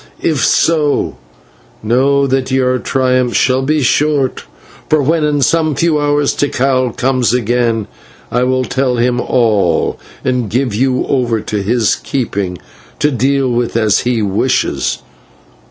If so, know that your triumph shall be short, for when, in some few hours, Tikal comes again, I will tell him all and give you over to his keeping to deal with as he wishes.